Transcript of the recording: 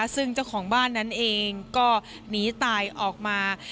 ซึ่งเจ้าของบ้านนั้นเองก็หนีตายออกมา